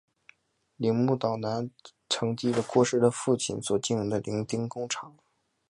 铃木岛男承继了过世的父亲所经营的螺钉工厂。